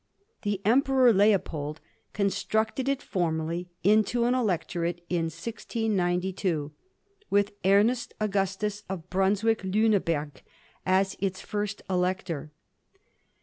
The Emperor Leopold constructed it formally into an Electorate in 1692, with Ernest Augustus of Brunswick Liineberg as its first Elector.